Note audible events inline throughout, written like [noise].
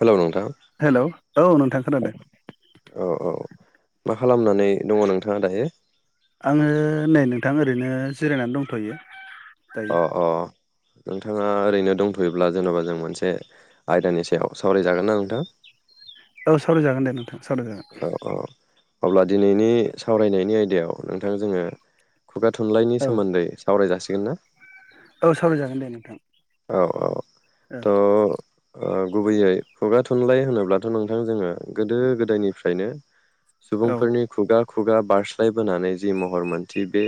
Hello नोंथां hello औ नोंथां खोनादों। औ औ मा खालामनानै दङ नोंथाङा दायो। आङो नै नोंथां ओरैनो जिरायनानै दंथयो। दायो अ अ। नोंथाङा ओरैनो दंथयोब्ला जेनबा जों मोनसे आयदानि सायाव सावरायजागोन ना नोंथां। सावराय जागोन दे नों थां सावराय जागोन। औ औ अब्ला दिनैनि सावरायनायनि आयदायाव नोंथां जोङो खुगा थुनलाइनि औ सोमोन्दै सावराय जासि गोन ना। औ सावरायजागोन दे नोंथां। औ औ। थ ओ गुबैयै खुगा थुनलाइ होनोब्लाथ नोंथां जोङो गोदो गोदायनिफ्रायनो औ सुबुंफोरनि खुगा खुगा बारस्लायबोनानै जि महर मोन्थि बे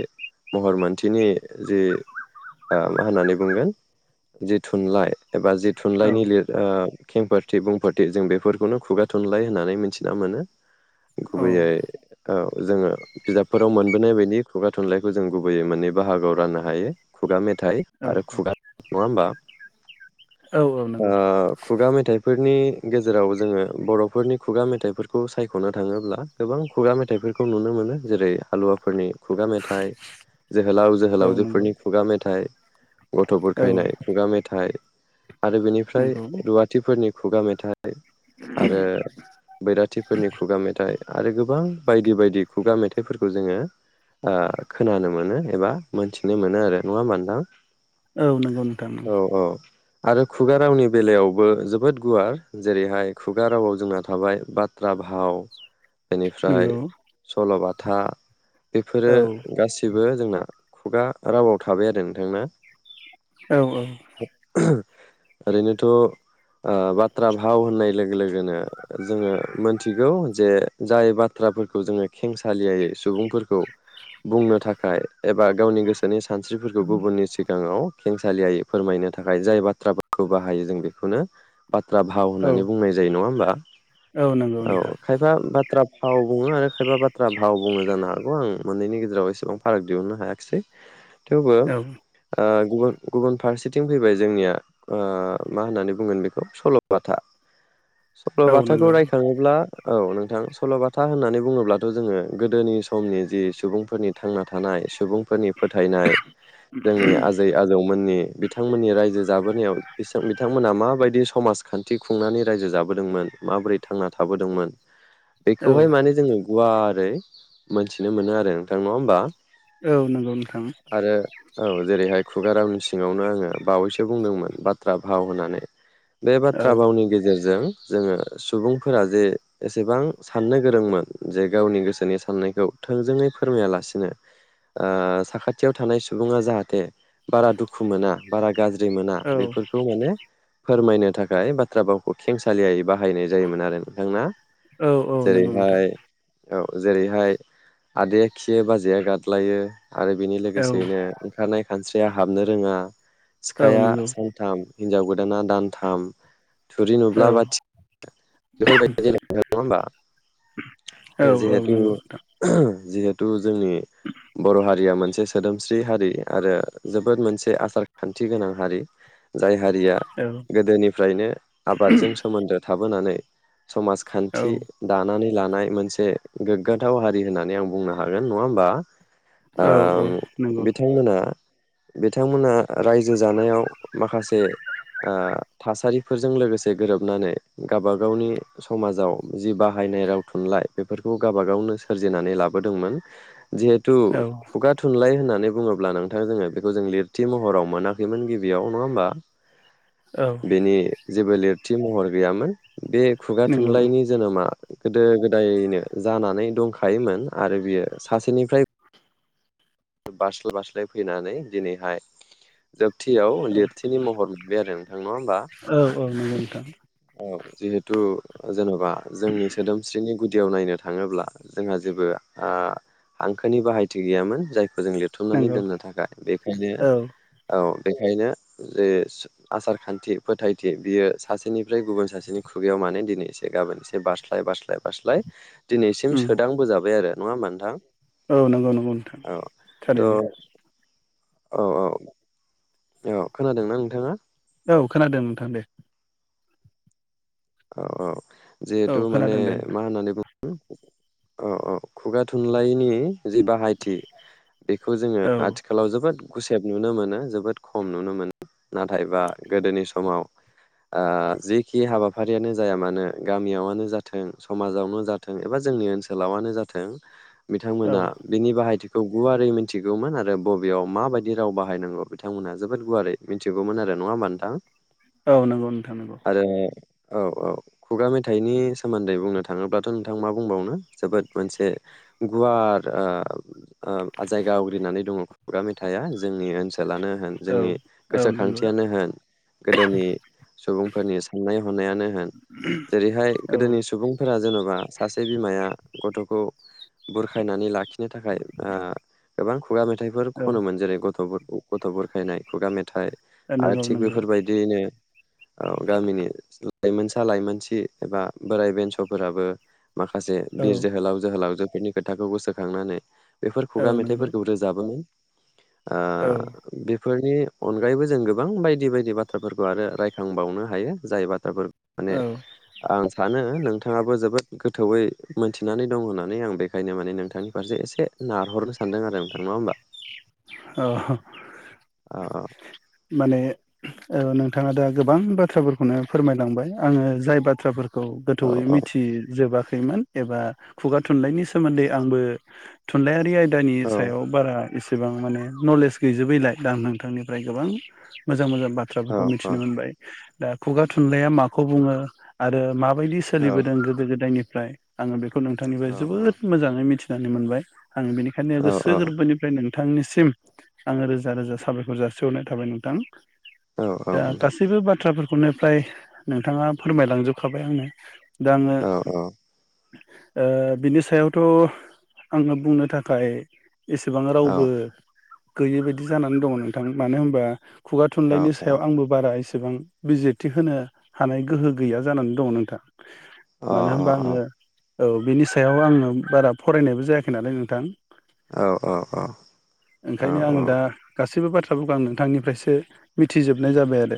महर मोन्थिनि जि ओ मा होननानै बुंगोन। जे थुनलाइ एबा जि औ थुनलाइनि लिर ओ खेंफोरथि बुंफोरथि जों बेफोरखौनो खुगा थुनलाइ होननानै मिथिना मोनो। औ गुबैयै औ जोङो बिजाबफोराव मोनबोनाय बायदि खुगा थुनलाइखौ जों गुबैयै माननै बाहागोआव राननो हायो खुगा मे थाइ औ आरो खुगा बा औ औ नंगौ ओ खुगा मेथाइफोरनि गेजेराव जोङो बर'फोरनि खुगा मेथाइफोरखौ सायख'नो थाङोब्ला गोबां खुगा मेथाइफोरखौ नुनो मोनो जेरै हालुवाफोरनि खुगा मेथाइ जोहोलाव औ नंगौ जोहोलावजोफोरनि खुगा मेथाइ औ गायनाय खुगा मेथाइ आरो बेनिफ्राय नंगौ रुवाथिफोरनि खुगा मेथाइ थाइ आरो बैराथिफोरनि खुगा मेथाइ आरो गोबां बायदि बायदि खुगा मेथाइफोरखौ जोङो ओ खोनानो मोनो एबा मोनथिनो मोनो आरो नङा होमबा नोंथां? औ नोंगौ नोंथां औ नोंगौ। औ आरो खुगा रावनि बेलायावबो जोबोद गुवार जेरैहाय खुगा रावाव जोंना थाबाय बाथ्रा भाव बेनिफ्राय नंगौ सल'बाथ था। औ बेफोरो गासिबो जोंना खुगा रावाव थाबाय आरो नोंथां ना? औ औ। ओरैनोथ' ओ बाथ्रा भाव होननाय लोगो लोगोनो जोङो मोनथिगौ जे जाय बाथ्राफोरखौ जोङो खेंसालियायै सुबुंफोरखौ बुंनो थाखाय एबा गावनि गोसोनि स सानस्रिफोरखौ गुबुननि सिगाङाव खेंसालियै फोरमायनो थाखाय जाय बाथ्राफोरखौ बाहायो जों बेखौनो बाथ्रा भाव औ होननानै बुंनाय जायो नङा होमबा नंगौ औ नोंथां खायफा बाथ्रा फाव बुङो आरो खायफा बाथ थ्रा भाव बुङो जानो हागौ आं मोननैनि गेजेराव एसेबां फाराग दिहुननो हायाखिसै। थेवबो औ ओ [unintelligible] गुबुन फारसेथिं फैबाय जोंनिया ओ मा होननानै बुंगोन बेखौ सल'बाथा। औ सल'बाथाखौ नंगौ रायखाङोब्ला औ नोंथां सल'बाथा होननानै बुङोब्लाथ' जोङो गोदोनि समनि जि सुबुंफोरनि थांना थानाय सुबुं फोरनि फोथायनाय जोंनि आजै आजौमोननि बिथांमोननि रायजो जाबोनायाव इसां बिथांमोना माबायदि स समाजखान्थि खुंनानै रायजो जाबोदोंमोन माबोरै थांना थाबोदोंमोन। औ बेखौहाय माने जोंङो गुवारै मोनथिनो मोनो आरो नोंथां नङा होमबा। औ नंगौ नोंथां आरो औ जेरैहाय। खुगा रावनि सिंङावनो आङो बावैसो बुंदोंमोन बाथ्रा भाव होननानै बे औ बाथ्रा भावनि गेजेरजों जोङो सुबुंफोरा जे एसेबां साननो गोरोंमोन जे गावनि गोसोनि साननायखौ थोंजोङै फोरमायालासिनो ओ साखाथियाव थानाय सुबुंङा जाहाथे बारा दुखु मोना बारा गाज्रि मोना औ बेफोरखौ माने फोरमायनो थाखाय बाथ्रा भावखौ खेंसालियायै बाहायनाय जायोमोन आरो नोंथां ना औ औ नंगौ नोंथां औ जेरैहाय आदाया खियो बाजैया गादलायो आरो बेनि औ लोगोसेयैनो ओंखारनाय खानस्रि या हाबनो रोङा औ सिखाया नंगौ सानथाम हिनजाव गोदाना दानथाम थुरि औ नुब्ला बाथि बेफोर बायदि नङा होमबा औ औ जिहेथु नंगौ जिहेथु जोंनि बर' हारिया मोनसे सोदोमस्रि हारि आरो जोबोद मोनसे आसार खान्थि गोनां हारि जाय हारिया औ गोदोनिफ्रायनो आबादजों सोमोन्दो थाबोनानै औ समाजखान्थि दानानै लानाय मोनसे गोग्गाथाव हारि होननानै आं बुंनो हागोन नङा होमबा औ औ ओ नंगौ बिथांमोनहा बिथांमोना रायजो जानायाव माखासे ओ थासारिफोरजों लोगोसे गोरोबनानै गाबा गावनि समाजाव जि बाहायनाय राव थुनलाइ बेफोरखौ गाबा गावनो सोरजिनानै लाबोदोंमोन जिहेतु औ खुगा थुनलाय होनना नानै बुङोब्ला नोंथां जोङो जों लिरथि महराव मोनाखैमोन गिबियाव नङा होमबा औ बेनि जेबो लिर थि महर गैयामोन बे खुगा नंगौ थुनलाइनि जोनोमा गोदो गोदायनो जानानै दंखायोमोन आरो बियो सासे निफ्राय बारस्लाय बारस्लाय फैनानै दिनैहाय जोब थियाव लिरथिनि महर मोनबाय आरो नोंथां नङा होनबा औ औ नंगौ नोंथां औ जिहेथु जेन'बा जोंनि सोदोमस्रिनि गुदियाव नायनो थाङोब्ला जोंहा जेबो ओ हांखोनि बाहायथि गैयामोन जाय फोरजों लिरथुमनानै नंगौ दोननो थाखाय बेखायनो औ औ बेखायनो जे आसार खान्थि फोथायथि बियो सासेनिफ्राय गुबुन सासेनि खुगायाव माने दिनै एसे गाबोन एसे बारस्लाय बारस्लाय बारस्लाय दिनैसिम उम सोदांबोजाबाय आरो नङा होनबा नोंथां? औ नंगौ नंगौ नोंथां। औ थारैनो थ' औ औ। औ खोनादोंना नोंथाङा? औ खोनादों नोंथां दे। औ औ। जिहेतु औ माने खोनादों दे मा होननानै बुं औ औ खुगा थुनलाइनि जि बाहायथि बेखौ जोङो औ आथिखालाव जोबोद गुसेब नुनो मोनो जोबोद खम नुनो मोनो नाथायबा गोदोनि समाव आ जिखि हाबा हाबाफारियानो जाया मानो गामियावनो जाथों समाजावनो जाथों एबा जोंनि ओनसोलावानो जाथों औ बिथांमोना बिनि बाहायथि खौ गुवारै मिथिगौमोन आरो बबेयाव माबायदि राव बाहायनांगौ बिथांमोनहा जोबोद गुवारै मिथिगौमोन आरो नङा होमबा नोंथां? औ नंगौ नोंथां नंगौ। आरो औ औ खुगा मेथाइनि सोमोन्दै बुंनो थाङोब्लाथ' नोंथां मा बुंबावनो जोबोद मोनसे गुवार ओ ओ जायगा आवग्रिनानै दङ खुगा मेथाइआ जोंनि ओनसोलानो होन औ जोंनि औ नंगौ गोसोखांथियानो होन गोदोनि सुबुंफोरनि साननायाव। होन जेरैहाय औ गोदोनि सुबुंफोरा जेन'बा सासे बिमाया गथ'खौ बुरखायनानै लाखिनो थाखाय ओ गोबां खुगा मेथाइफोर खनोमोन जेरै गथ'फोर गथ' बुरखायनाय खुगा मेथाय नाथाय औ आरो नंगौ थिग नंगौ बेफोरबायदियैनो ओ गामिनि लाइमोनसा लाइमोनसि एबा बोराइ बेन्स'फोराबो माखासे औ बिर जोहोलाव जोहोलावजोफोरनि खोथाखौ गोसोखांनानै बेफोर औ खुगा नंगौ मेथाइफोरखौ रोजाबोमोन। औ। फोरनि अनगायैबो जों गोबां बायदि बायदि बाथ्राफोरखौ आरो रायखांबावनो हायो जाय बाथ्रा [inaudible] माने औ आं सानो नोंथाङाबो जोबोद गोथौयै मोनथिनानै दं होननानै आं बेखायनो माने नोंथांनि फारसे एसे नारहरनो सानदों आरो नोंथां नङा होमबा। औ औ माने ओ नों नोंथाङा दा गोबां बाथ्राफोरखौनो फोरमायलांबाय आङो जाय बाथ्राफोर खौ औ गोथौयै औ मिथिजोबा खौ मोन एबा खुगा थुनलाइनि सोमोन्दै आंबो थुलायारि आयदानि औ सायाव बारा बेसेबां माने नलेज गैजोबैलाय दां नोंथांनिफ्राय गोबां मोजां मोजां औ बाथ्राफोरखौ औ मिथिनो मोनबाय। दा खुगा थुनलाइया माखौ बुङो आरो मा बायदि औ सोलिबोदों गोदो गोदायनि फ्राय आङो बे खौ औ नोंथांनिफ्राय जोबोद मोजाङै मिथि नानै मोनबाय। आं बिनिखायनो औ गोसो गोरबोनिफ्राय नों थांनिसिम आङो रोजा रोजा साबायखर जासिहरनाय थाबाय नोंथां। औ औ दा नोंथां गासैबो बाथ्राफोर बेफोरनिफ्राय नोंथाङा फोरमायलांजोबखाबाय आंनो दा आङो औ औ ओ बिनि सायावथ' आङो बुंनो थाखाय एसे बो औ गैयै बायदि जानानै दङ नोंथां मानो होनबा खुगा औ थुनलाइनि औ सायाव आंबो बारा एसे एसेबां बिजेथि होनो हानाय गोहो गैया जानानै दङ नोंथां। अ मानो अ होनबा अ। आङो औ बिनि सायाव आङो बारा फरायनायबो जायाखै नालाय नोंथां। औ औ औ। औ ओंखायनो आङो दा गासैबो बाथ्रा फोरखौ आं नोंथांनिफ्रायसो मिथिजोबनाय जाबाय आरो।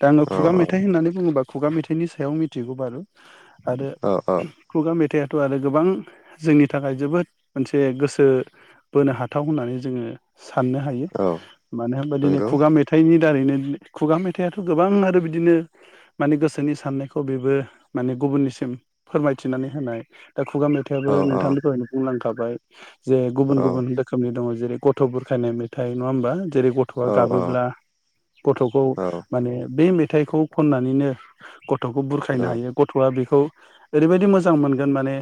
दा आङो औ खुगा मेथाइ होननानै बुङोबा खुगा मेथाइनि सायाव मिथिगौ बारु आरो औ औ खुगा मेथाइआ आरो गोबां जोंनि थाखाय जोबोद मोनसे गोसो बोनो हा थाव होननानै जोङो साननो हायो औ मानो होनबा दिनै नंगौ खुगा मेथाइनि दारैनो खुगा मेथाइआथ' गोबां आरो बिदिनो माने गोसोनि साननायखौ बेबो माने गुबुननिसिम फोरमायथिनानै होनाय दा खुगा औ मेथाइआ नोंथांनिखौहनो बुंलांखा थाबाय। जे औ गुबुन गुबुन। दङ' जेरै गथ' बुरखायनाय मेथाइ नङा होमबा? जेरै गथ'आ औ औ गाबोब्ला गथ'खौ औ माने बे मे थाइखौ खननानैनो गथ'खौ बुरखायनो हायो गथ'आ बेखौ ओरैबायदि मोजां मोनगोन माने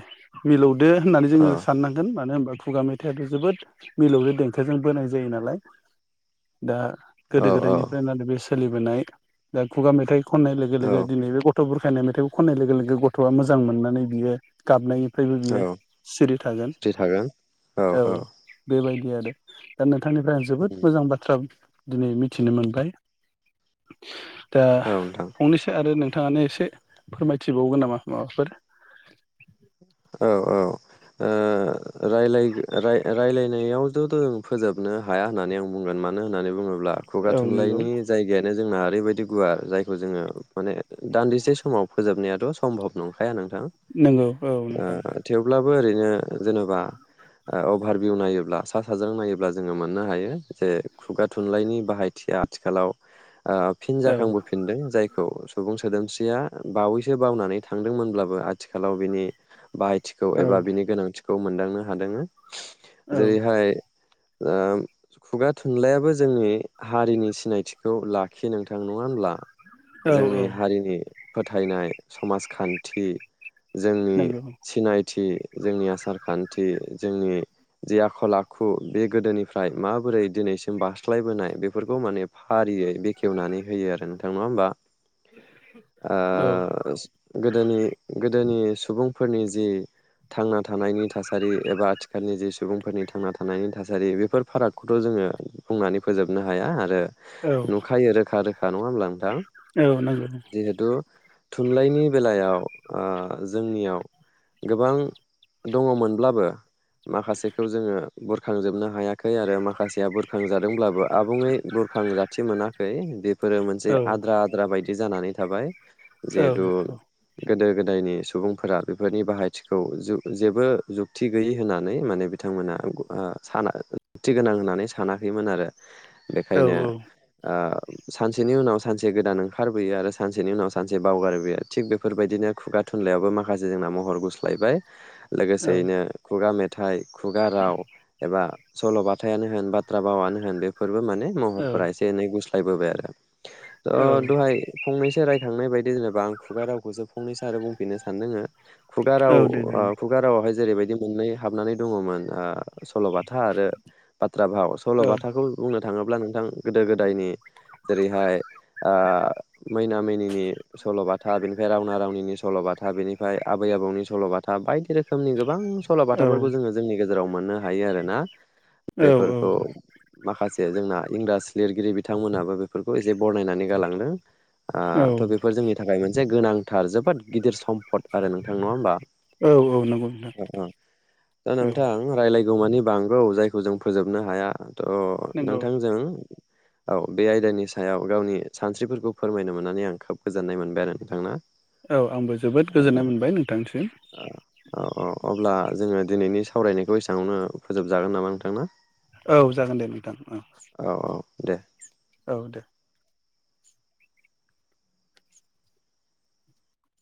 मिलौ दो होननानै जोङो साननांगोन मानो होनबा खुगा मेथाइआथ' जोबोद मिलौदो देंखोजों बोनाय जायो नालाय। दा गोदो औ गोदायनिफ्रायनो बे स सोलिबोनाय दा खुगा मेथाइ खनाय लोगो औ लोगो दिनैबो ग थ' बुरखायनाय मेथाइखौ खननाय लोगो लोगो गथ'आ मोजां मोननानै बियो गाबनाय फ्रायबो बियो औ सिरि थागोन फ्रि थागोन औ। बेबायदि आरो दा नों थांनिफ्राय आं जोबोद उम मोजां बाथ्रा दिनै मिथिनो मोनबाय। दा औ नोंथां फंनैसो आरो नों थाङानो एसे फोरमायथिबावगोन नामा माबाफोर? औ औ ओ रायलायगो रायलायनायावथ' जों फोजोबनो हाया होननानै आं बुंगोन मानो होननानै बुङो ब्ला खुगा औ नंगौ थुनलाइनि जायगायानो जोंना ओरैबायदि गुवार जाय जोङो माने दान्दिसे समाव फोजोबनाया सम्भब नंखाया हो नोंगौ औ। ओ थेवब्ला बो ओरैनो जेनेबा अभारभिउ नायोब्ला सा साज्रां नायोब्ला जोङो मोननो हायो जे खुगा थुनलाइनि बाहायथिया आथिखालाव ओ फिन औ जाखांबोफिनदों जायखौ सुबुं सोदोमस्रिया बावैसो बावनानै थांदोंमोनब्लाबो आथिखालाव बिनि बाहायथिखौ औ एबा बिनि गोनांथि खौ मोनदांनो हादों। औ जेरैहाय खुगा थुनलाइयाबो जोंनि हारिनि सिनायथिखौ लाखियो नोंथां नङा होमब्ला। औ जोंनि औ हारिनि फोथायनाय समाजखान्थि जोंनि नंगौ सिनाय जोंनि आसार खान्थि जोंनि जि आखल आखु बे गोदोनिफ्राय माबोरै दिनैसिम बारास्लायबोनाय बेफोरखौ माने फारियै बेखेवनानै होयो आरो नोंथां नङा होनबा। आ औ गोदोनि गोदोनि सुबुं फोरनि जि थांना थानायनि थासारि एबा आथिखालनि जि सुबुंफोरनि थांना थानायनि थासारि बेफोर फारागखौथ' जोङो बुंनानै फोजोबनो हाया आरो। औ नुखायो रोखा रो खा नङा होमब्ला नोंथां? औ नंगौ। जिहेतु थुनलाइनि बेलायाव ओ जोंनियाव गोबां दङमोनब्लाबो माखासेखौ जोङो बुरखांजोबनो हायाखै आरो माखासेया बुरखांजादोंब्लाबो आबुङै बुरखां जाथि मोनाखै बेफोरो मोनसे औ आद्रा -आद्रा बायदि जानानै थाबाय। औ जिहेथु गोदो गोदायनि सुबुंफोरा बेफोरनि बाहायथिखौ जेबो जुक्ति गैयि होननानै माने बिथांमोना ओ साना जुक्थि गोनां होननानै सानाखैमोन आरो। बेखायनो‌ ओ सानसेनि उनाव सानसे गोदान ओंखारबोयो आरो। सानसेनि उनाव सानसे बावगारो बियो थिग बेफोरबायदिनो खुगा थुनलाइयावबो माखासे जोंना महर गुस्लायबाय। औ लोगोसेयैनो खुगा मेथा‌ नाइ खुगा राव एबा सल'बथायनो होन बाथ्रा बावनो होन बेफोर माने औ महरफोरा एसे एनै गुस फायबोबाय आरो। अ औ दहाय फंनैसो रायखांनायायदि जेनेबा आं खुगा रावखौ फंनैसो आरो बुंफिननो सानदङो। खुगार औ राव दे जागोन ओ खुगारावहाइ जेरैबायदि मोननै हाबनानै दङमोन ओ सल'बाथा आरो बाथ्रा भाव औ सल'बाथाखौ बुंनो थाङोब्ला अब्ला नोंथां गोदो गोदायनि जेरैहाय ओ मैना मैनिनि सल'बाथा बेनिफ्राय रावना रावनिनि सल'बाथा बेनिफ्राय आबै आबौनि सल'बाथा बायदि रोखोम रोखोमनि गोबां सल' औ बाथाफोरखौ जोङो जोंनि गेजेराव - गजेराव मोननो हायो आरो ना। औ औ बेफोरखौ- माखासे जोंना इंराज लिरगिरि बिथांमोनाबो बेफोरखौ जे बनायनानै गालांदों थ' बेफोर जोंनि थाखाय मोनसे गोनांथार जोबोद गिदिर सम्फद आरो नोंथां नङा होमबा नंगौ नोंथां दा औ नोंथां रायलायगौ मानि बांगौ जाय- जों फोजोबनो हाया त' नंगौ नोंथांजों औ बे आयदानि सायाव गावनि सानस्रिफोरखौ फोरमायनो मोननानै आं खोब गोजोननाय मोनबाय आरो नोंथांनो औ आंबो जोबोद गोजोननाय मोनबाय नोंथांनिसिम औ औ अब्ला जोङो दिनैनि सावरायनायखौ एसेवावनो फोजोबजागोन नामा नोंथां ना। औ जागोन दे नोंथां औ दे औ दे